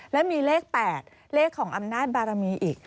แล้วมีเลข๘เลขของอำนาจบารมีอีก